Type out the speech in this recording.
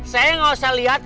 saya gak usah lihat